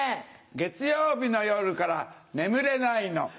月曜日の夜から眠れないの。